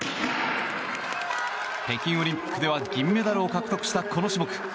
北京オリンピックでは銀メダルを獲得したこの種目。